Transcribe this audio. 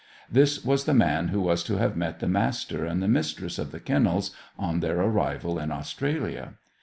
This was the man who was to have met the Master and the Mistress of the Kennels on their arrival in Australia.